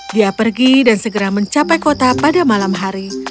dia pergi dan segera mencapai kota pada malam hari